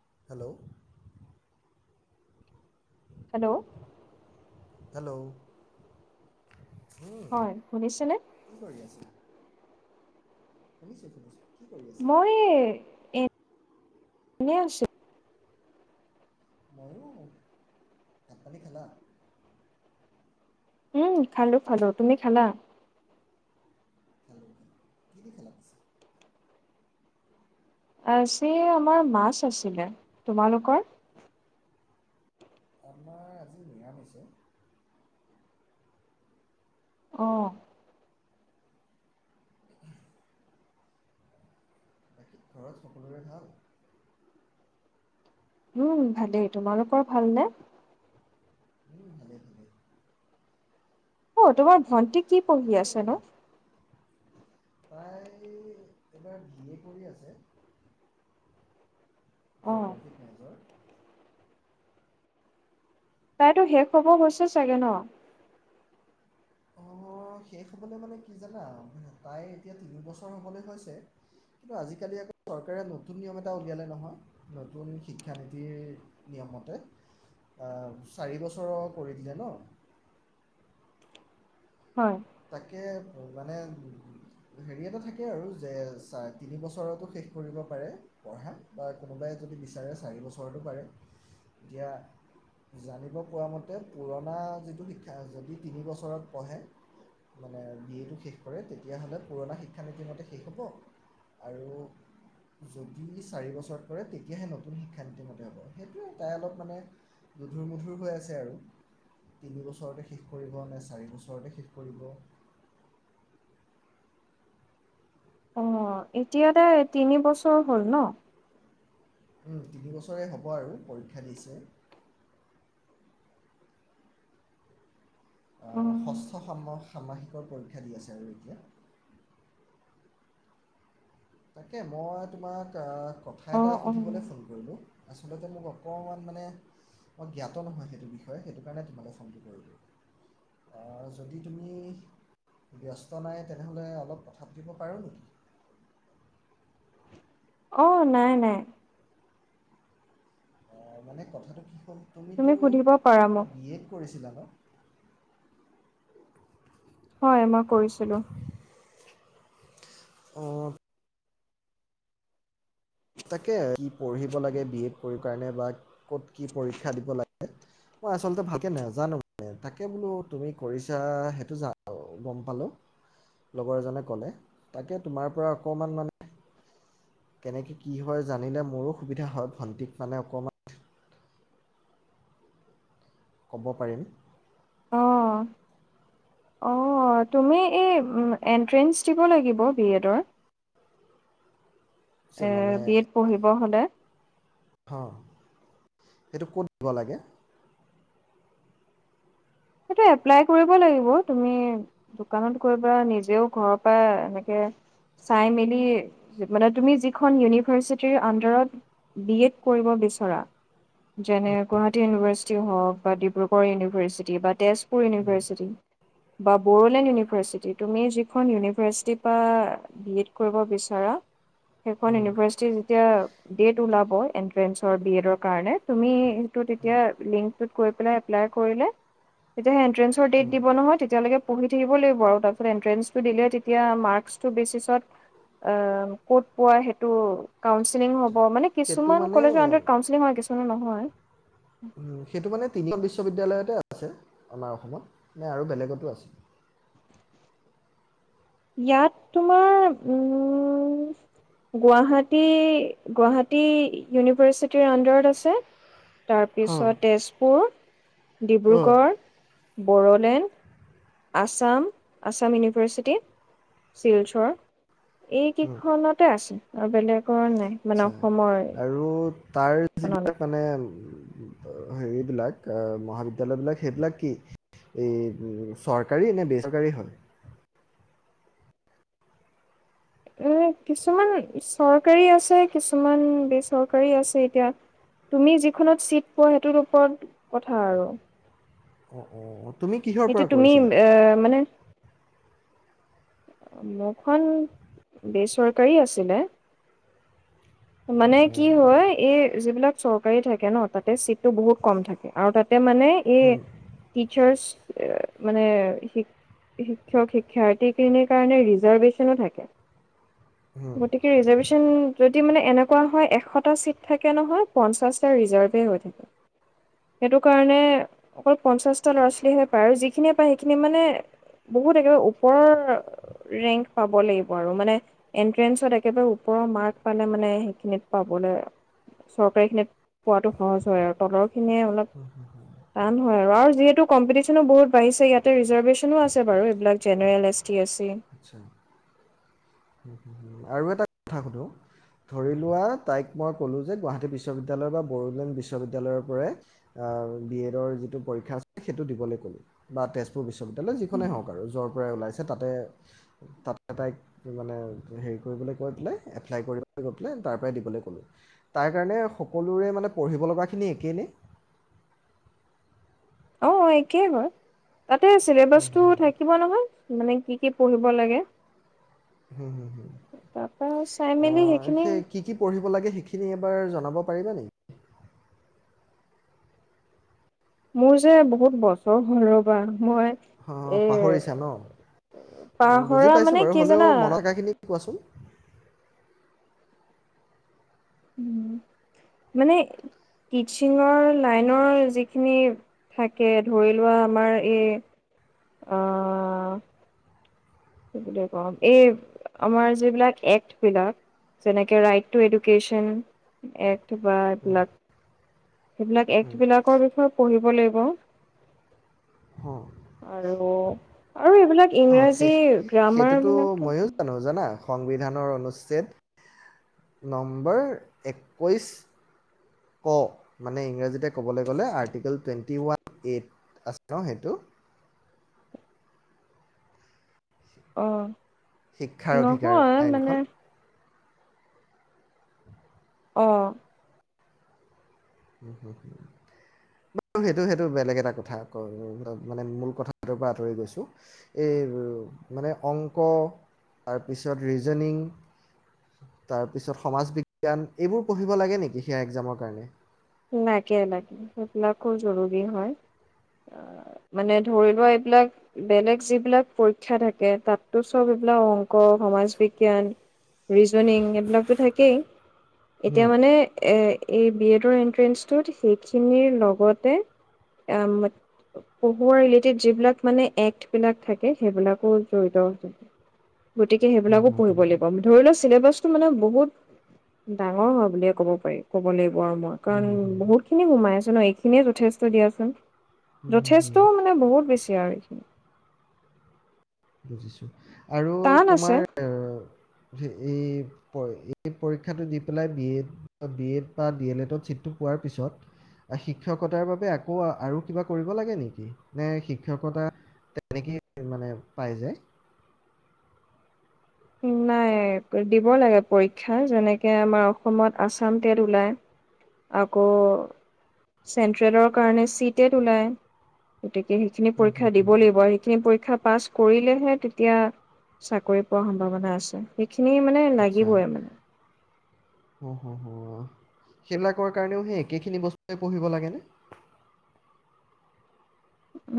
[inaudible] Hello [inaudible] উম হয় শুনিছেনে? কি কৰি আছা [inaudible] আছা মই এ এনে আছে ময়ো ভাত পানী খালা উম খালো খালো তুমি খালা খেল খেলছে আজি আমাৰ মাছ আছিলে তোমালোকৰ আমাৰ আজি নিৰামিষ অ অ বাকী ঘৰত সকলোৰে ভাল উম ভালেই তোমালোকৰ ভালনেে উম ভালেই অ তোমাৰ ভণ্টিক কি পঢ়ি তাকে আছে ন তাই এইবাৰ বি এ কৰি আছে অ জোগ্ৰাফী নগৰ তাইতো শেষ হব হৈছে চাগে ন অ শেষ হ'বলৈ মানে কি জানা তাই এতিয়া তিনিবছৰ হ'বলৈ হৈছে কিন্তু আজিকালি আকৌ চৰকাৰে নতুন নিয়ম এটা উলিয়ালে নহয় নতুন শিক্ষানীতিৰ নিয়মতে চাৰি বছৰৰ কৰি দিলে ন হয় তাকে মানে হেৰি এটা থাকে আৰু যে চা তিনিবছৰতো শেষ কৰিব পাৰে পঢ়া বা কোনোবাই যদি বিচাৰে চাৰি বছৰতো পাৰে এতিয়া জানিব পৰা মতে পুৰণা যিটো শিক্ষা যদি তিনি বছৰত পঢ়ে মানে বি এটো শেষ কৰে তেতিয়াহ'লে পুৰণা শিক্ষানীতিমতে শেষ হ'ব আৰু যদি চাৰি বছৰত কৰে তেতিয়াহে নতুন শিক্ষানীতিমতে হ'ব সেইটোৱে তাই অলপ মানে দুধুৰ মধুৰ হৈ আছে আৰু তিনিবছৰতে শেষ কৰিব নে চাৰি বছৰতে শেষ কৰিব কৰিব অ এতিয়া তাই তিনি বছৰ হ'ল ন উম তিনিবছৰে হ'ব আৰু পৰীক্ষা দিছে অ ষষ্ঠ ষান্মাসিকৰ পৰীক্ষা দি আছে আৰু এতিয়া তাকে মই তোমাক আহ কথা অ এটা অ সুধিবলৈ ফোন কৰিলোঁ আচলতে মোক অকণমান মানে মই জ্ঞাত নহয় সেইটো বিষয়ে সেইটো কাৰণে তোমালে ফোনটো কৰি দিলো যদি তুমি ব্যস্ত নাই তেনেহ'লে অলপ কথা পাতিব পাৰো নেকি অ নাই নাই অ মানে কথাটো কি হ'ল তুমিতো তুমি সুধিব পাৰা মোক বি এড কৰিছিলা ন হয় মই কৰিছিলো অ তাকে কি পঢ়িব লাগে বি এড কৰিবৰ কাৰণে বা ক'ত কি পৰীক্ষা দিব লাগে মই আচলতে ভালকে নাজানো মানে তাকে বোলো তুমি কৰিছা সেইটো জ গম পালো লগৰ এজনে ক'লে তাকে তোমাৰ পৰা অকমান মানে কেনেকে কি হয় জানিলে মোৰো সুবিধা হয় ভন্টিক মানে অকমান ক'ব পাৰিম অহ অ তুমি এই এণ্ট্ৰেঞ্চ দিব লাগিব বি এডৰ যে এ বি এড পঢ়িব হলে অ সেটো কত দিব লাগে সেইটো এপ্লাই কৰিব লাগিব তুমি দোকানত গৈ বা নিজেও ঘৰৰ পৰা এনেকে চাই মেলি মানে তুমি যিখন ইউনিভাৰ্চিটিৰ আন্দাৰত বি এড কৰিব বিচৰা যেনে গুৱাহাটী ইউনিভাৰ্চিটি হওক বা ডিব্ৰুগড় ইউনিভাৰ্চিটি বা তেজ পুৰ ইউনিভাৰ্চিটি বা বড়োলেণ্ড ইউনিভাৰ্চিটি তুমি যিখন ইউনিভাৰ্চিটিৰ পৰা বি এড কৰিব বিচাৰা সেইখন ইউনিভাৰ্চিটি যেতিয়া ডেট ওলাব এণ্ট্ৰেন্সৰ বি এডৰ কাৰণে তুমি সেইটো তেতিয়া লিংকটোত গৈ পেলাই এপ্লাই কৰিলে [unintelligible] ণ্ট্ৰেন্সৰ ডেট দিব নহয় তেতিয়ৈকে পঢ়ি থাকিব লাগিব আৰু তাৰপিছতে এণ্ট্ৰেন্সটো দিলে তেতিয়া মাৰ্কচটোৰ বেচিছত অ' ক'ত পোৱা সেইটো কাউন্সেলিং হ'ব ব মানে সেইটো কিছুমান মানে কলেজৰ আন্দাৰত কাউন্সেলিং হয়, কিছুমানৰ নহ হয়। উম, সেইটো মানে তিনিখন বিশ্ববিদ্যালয়তে আছে আছে আমাৰ অসমত। নে আৰু বেলেগতো আছে? ইয়াত তোমাৰ গুৱাহাটী - গুৱাহাটী ইউনিভাৰ্চিটিৰ আণ্ডাৰত আছে। তাৰপিছত অঁ তেজপুৰ। ডিব্ৰুগড়। বড়োলেণ্ড। আছাম - আছাম ইউনিভাৰ্চিটি শিলচৰ। এই অঁ কেইখনতে আছে। আৰু বেলেগ কৰা নাই আচ্ছা মানে অসমৰ আৰু তাৰ এইখনত। যিবিলাক মানে [unintelligible] হেৰিবিলাক অ' মহাবিদ্যালয় বিলাক সেইবিলাক কি এই উম চৰকাৰী নে বেচৰকাৰী হয়? এ কিছুমান চৰকাৰী আছে, কিছুমান বেচৰকাৰী আছে। এতিয়া তুমি যিখনত ছিট পোৱা সেইটোৰ ওপৰত কথা আৰু। অঁ অঁ। তুমি কিহৰ এতিয়া পৰা তুমি কৰিছিলা এ মানে মোৰখন বেচৰকাৰী আছিলে। মানে কি অঁ হয় এই যিবিলাক চৰকাৰী থাকে ন তাতে চিটটো বহুত কম থাকে আৰু তাত তে মানে এই টিচাৰ্চ। [unintelligible] মানে শিক - শিক্ষক শিক্ষাৰ্থীখিনিৰ কাৰণে ৰিজাৰ্ভেশ্যনো থাকে। হুম, গতিকে ৰিজাৰ্ভেশ্যন যদ [unintelligible] মানে এনেকুৱা হয় এশটা চিট থাকে নহয় পঞ্চাছটা ৰিজাৰ্ভে হৈ থাকে। সেইটো কাৰণে অকল পঞ্চাছটা ল'ৰা ছোৱালীহে পায় আৰু যিখিনিয়ে পায় সেইখিনি মানে বহুত একেবাৰে ওপৰৰ ৰেংক পাব লাগিব আৰু মানে এনট্ৰেন্ঞ্চত একেবাৰে ওপৰৰ মাৰ্ক পালে মানে সেইখিনিত পাবলৈ, চৰকাৰীখিনিত পোৱাটো সহজ হয় আৰু তলৰ খিনিয়ে অলপ টান হয় আৰু আৰু যিহেতু কম্পিটিচনো বহুত বাঢিছে ইয়াতে ৰিজাভেৰ্শ্যনো আছে বাৰু এইবিলাক general, S T, S C আচ্ছা, হম হম হুম। আৰু এটা কথা সুধো? ধৰি লোৱা তাইক মই ক'লোঁ যে গুৱাহাটী বিশ্ববিদ্যালয় বা বড়োলেণ্ড বিশ্ববিদ্যালয়ৰ পৰাই অ' বি এডৰ যিটো পৰীক্ষা আছে সেইটো দিবলৈ ক'লো বা তেজপুৰ বিশ্ববিদ্যালয় যিখনেই হওক আৰু য'ৰ পৰাই ওলাইছে তাতে তাতে তাইক মানে হেৰি কৰিবলৈ কৈ পেলাই এপ্লাই কৰিবলৈ গৈ পেলাই তাৰ পৰাই দিবলৈ ক'লোঁ, তাৰ কাৰণে সকলোৰে মানে পঢ়িব লগাখিনি একেই নে? অ' একেই হয়। তাতে হুম চিলেবাছটো হুম হুম থাকিব নহয় মানে কি কি পঢ়িব লাগে হম হ হ তাৰপা চাই মেলি আহ সেইখিনি সেই কি কি পঢ়িব লাগে সেইখিনি এবাৰ জ জনাব পাৰিবা নি মোৰ যে বহুত বছৰ হ'ল ৰবা মই অ এ পাহৰিছা ন, পাহৰা বুজি পাইছো মানে বাৰু কি জানা হ'লেও মনকাখিনি কোৱাচোন? মানে টিছিঙৰ লাইনৰ যিখিনি থাকে ধৰি লোৱা আমাৰ এই স বুলি কম এই আমাৰ যিবিলাক এক্টবিলাক যেনেকে ৰাইট টু এডুকেশ্যন এক্ট বা এইবিলাক সেইবিলাক এক্ট বিলাকৰ বিষয়ে পঢ়িব লাগিব অঁ আৰু আৰু এইবিলাক অঁ সেই ইংৰাজী সেইটোতো গ্ৰামাৰবিলাকতো ময়ো কি জানো জানা সংবিধানৰ অনুচ্ছেদ নম্বৰ একৈছ ক মানে ইংৰাজীতে ক'বলৈ গ'লে আৰ্টিকেল টুৱেণ্টি ওৱান এইট আছে ন সেইটো অ শিক্ষাৰ অধিকাৰ নহয় মানে আইনখন অ বু সেইটো সেইটো বেলেগ এটা কথা মানে মূল কথাটোৰ পৰা আঁতৰি গৈছোঁ এই মানে অংক তাৰপিছত ৰিজনিং তাৰপিছত সমাজ বিজ্ঞান এইবোৰ পঢ়িব লাগে নেকি সেয়া এক্সজামৰ কাৰণে লাগে লাগে সেইবিলাকো জৰুৰী হয় আহ মানে ধৰি লোৱা এইবিলাক বেলেগ যিবিলাক পৰীক্ষা থাকে তাততো চব এইবিলাক অংক সমাজ বিজ্ঞান ৰিজনিং এইবিলাকতো থাকেই হুম এতিয়া মানে এ এই বি এডৰ এণ্ট্ৰি [unintelligible] সেইখিনিৰ লগতে এ ম পঢ়োৱাৰ ৰিলেটেড যিবিলাক মানে এক্টবিলাক থাকে সেইবিলাকো জড়িত গতিকে হুম সেইবিলাকো হুম পঢ়িব লাগিব হুম ধৰি লও চেলেবাচ যিটো মানে বহুত ডাঙৰ হয় বুলিয়ে ক'ব পাৰি ক'ব লাগিব আৰু কাৰণ হুম বহুত হুম খিনি সোমাই আছে ন এইখ খিনিয়ে যথেষ্ট দিয়াচোন হুম যথেষ্ট হুম মানে বহুত বেছি [unintelligible] আৰু এইখিনি। বুজিছো। আৰু টান আছে তোমাৰ হে এই এই পৰীক্ষাটো দি পেলাই বি এড বি এড বা ডি এল এডত চিটটো পোৱাৰ পিছত শিক্ষকতাৰ বাবে আকৌ আৰু কিবা কৰিব লাগে নেকি? নে শিক্ষকতা তেনেকেই মানে। পাই যায়। নাই, দিব লাগে। পৰীক্ষা তেনেকে আমাৰ অসমত আছাম টেট ওলায়, আকৌ চেণ্ট্ৰেলৰ কাৰণে চি টেট ওলায়। গতিকে সেইখিনি হুম, পৰীক্ষ হুম, দিব হুম। লাগিব সেইখিনি পৰীক্ষা পাছ কৰিলেহে তেতিয়া চাকৰি। পোৱাৰ সম্ভাৱনা আছে। খিনি মানে আচ্ছা লাগিবই মানে। হুম, হুম, হুম। সেইবিলাকৰ কাৰণেও সেই একেখিনি বস্তুৱে পঢ়িব লাগেনে?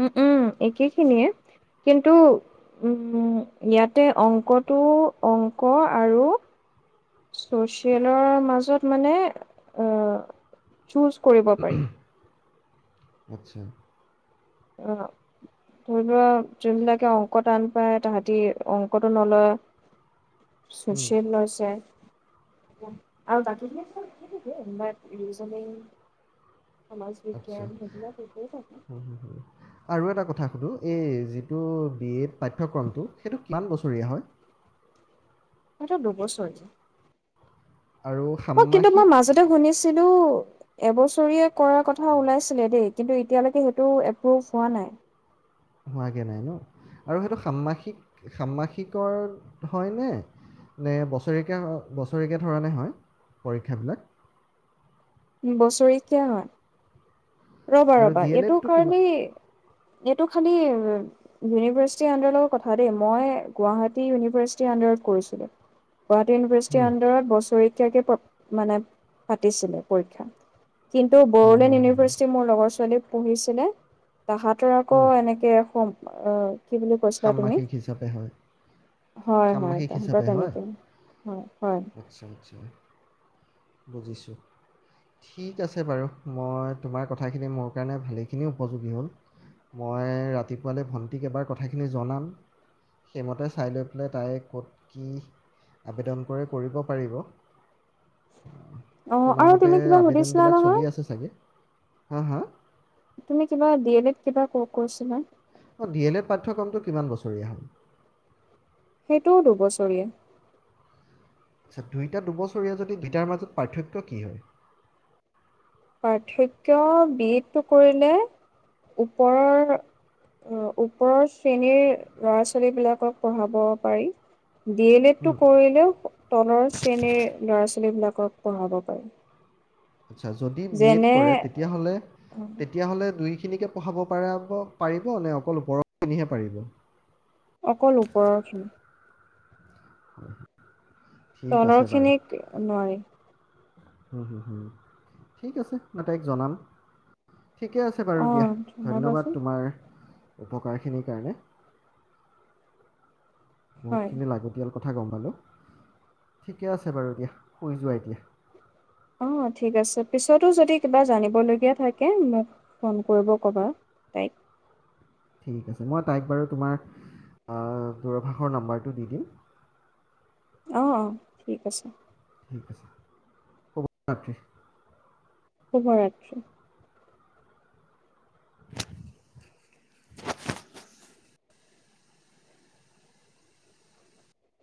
উম', উম। একেখিনিয়ে কিন্তু উম ইয়াতে অংকটো অংক আৰু ছচিয়েলৰ মাজত মানে অহ চুজ কৰিব পাৰি। আচ্ছা। অ', ধৰি লোৱা, যোনবিলাকে অংক টান পায় তাহাঁতি অংকটো নলয়। হুম, সুশীল লৈছে। [unintelligible] বাত্ ৰিজনিং সমাজ আচ্ছা বিজ্ঞান, সেইবিলাক একেই থাকে। হুম, হুম, হুম। আৰু এটা কথা সুধোঁ? এই যিটো বি এ পাঠ্যক্ৰমটো সেইটো কিমান বছৰীয়া হয়? হেতু দুবছৰীয়া। আৰু অ কিন্তু মই ষান্মাসিক মাজতে শুনিছিল কিন্তু এবছৰীয়া কৰাৰ কথা ওলাইছিলে দেই। কিন্তু এতিয়ালৈকে সেইটো এপ্ৰুভ হোৱা নাই। হোৱাগৈ নাই ন। আৰু সেইটো সাম্মাসিক, সাম্মাসিকৰ হয়নে? নে বছৰেকীয়া, বছৰেকীয়া ধৰণে হয় পৰীক্ষাবিলাক? বছেৰেকীয়া হয়। ৰ'বা, আৰু ৰ'বা! এইটো ডিএলএডটো কিমান কাৰণেই এইটো খালি ইউনিভাৰ্চিটিৰ আণ্ডাৰৰ লগত কথা দেই। মই গুৱাহাটী ইউনিভাৰ্চিটিৰ আণ্ডাৰত কৰিছিলোঁ। গুৱাহাটী ইউনিভাৰ্চিটিৰ হুম, আণ্ডাৰত বছৰি কেতিয়াকৈ পা, মানে পাতিছিলে? পৰীক্ষা। কিন্তু হয়, বড়োলেণ্ড হয়, হয়। ইউনিভাৰ্চিটি মোৰ লগৰ ছোৱালী পঢ়িছেনে? তাহাঁতৰ আকৌ হুম, এনেকে সোম অ। কি বুলি কৈছিলা তুমি? ষান্মাসিক হিচাপে হয়। হয়, হয় ষান্মাসিক তাহাঁতৰ হিচাপে হয়? তেনেকে হয়, হয়। বুজিছো, ঠিক আছে বাৰু। মই তোমাৰ কথাখিনি মোৰ কাৰণে ভালেখিনি উপযোগী হ'ল। মই ৰাতিপুৱালৈ ভন্টিক এবাৰ কথা কথাখিনি জনাম সেইমতে চাই লৈ পেলাই তাই ক'ত কি আবেদন কৰি কৰিব পাৰিব। অ শুনা আৰু মতে তুমি কিবা সুধিছিলা আবেদনবিলাক চলি নহয় আছে চাগে? হা, হা! তুমি কিবা, ডি এল এড কিবা কৈছিলা! অ' ডি এল এ পাঠ্যক্ৰমটো কিমান বছৰীয়া হ'ল? সেইটোও দুবছৰীয়া আচ্ছা দুইটা দুবছৰীয়া যদি, দুইটাৰ মাজত পাৰ্থক্য কি হয়? পাৰ্থক্য - বি এডটো কৰিলে ওপৰৰ, ওপৰৰ শ্ৰেণীৰ ল'ৰা ছোৱালীবিলাকক পঢ়াব পাৰি। ডি এল এড তটো উম, কৰিলেও তলৰ শ্ৰেণীৰ ল'ৰা ছোৱালী বিলাকক পঢ়াব পাৰি। আচ্ছা যদি বি এড যেনে কৰে তেতিয়াহ'লে, তেতিয়াহ'লে দুই খিনিকে পঢ়াব পাৰব, পাৰিব নে অকল ওপৰৰত খিনিহে পাৰিব? অকল ওপৰৰখিন। [unintelligible] ঠিক আছে তলৰ খিনিক নোৱাৰি। হম হ। ঠিক আছে। মই তাইক জনাম। ঠিকে আছে বাৰু দিয়া অঁ ধন্যবাদ জনাবাচোন তোমাৰ উপকাৰখিনিৰ কাৰণে বহুত হয় খিনি লাগতিয়াল কথা গম পালোঁ ঠিকে আছে বাৰু দিয়া শুই যোৱা এতিয়া অ ঠিক আছে পিছতো যদি কিবা জানিবলগীয়া থাকে মোক ফোন কৰিব ক'বা তাইক ঠিক আছে মই তাইক বাৰু তোমাৰ দুৰভাষৰ নাম্বৰটো দি দিম অ অ ঠিক আছে ঠিক আছে শুভৰাত্ৰি শুভৰাত্ৰি